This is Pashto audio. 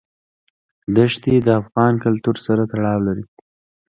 دښتې د افغان کلتور سره تړاو لري.